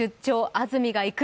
安住がいく」